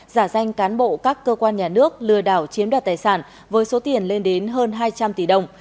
giả danh cán bộ các cơ quan nhà nước lừa đảo chiếm đoạt tài sản với số tiền lên đến hơn hai trăm linh tỷ đồng